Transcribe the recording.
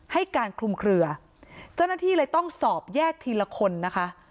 ให้การคลุมเคลือเจ้าหน้าที่เลยต้องสอบแยกทีละคนนะคะ